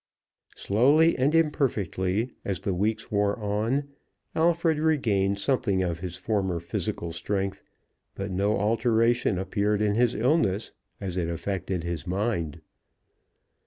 Slowly and imperfectly, as the weeks wore on, Alfred regained something of his former physical strength, but no alteration appeared in his illness as it affected his mind.